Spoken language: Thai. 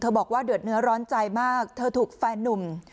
บอกว่าเดือดเนื้อร้อนใจมากเธอถูกแฟนนุ่ม